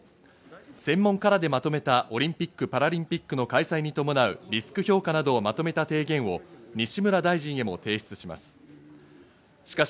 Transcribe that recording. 専門家らでまとめたオリンピック・パラリンピックの開催に伴うリスク評価などをまとめた提言を西村大臣へも提出します。